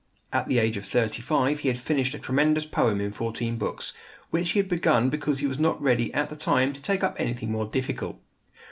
At the age of thirty five he had finished a tremendous poem in fourteen books, which he had begun because he was not ready at the time to take up anything more difficult!